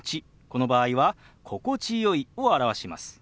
この場合は「心地よい」を表します。